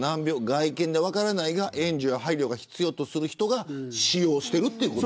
外見で分からないが援助や配慮が必要とする人が使用しているという。